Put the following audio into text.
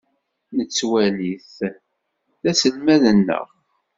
Nettwali-t d aselmad-nneɣ.